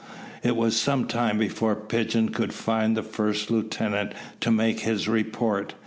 It was some time before Pigeon could find the first lieutenant to make his report.